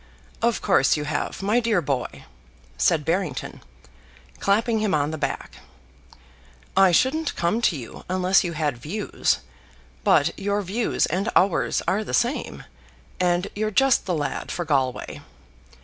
"Of course you have, my dear boy," said Barrington, clapping him on the back. "I shouldn't come to you unless you had views. But your views and ours are the same, and you're just the lad for Galway.